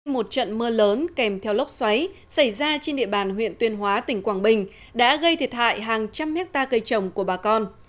một trận mưa lớn kèm theo lốc xoáy xảy ra trên địa bàn huyện tuyên hóa tỉnh quảng bình đã gây thiệt hại hàng trăm hectare cây trồng của bà con